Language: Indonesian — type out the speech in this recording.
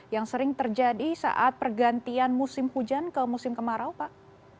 yang sering terjadi saat pergantian musim hujan ke musim kemarau pak